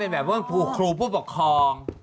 อ๋อเป็นแบบว่าครูผู้ปกครอง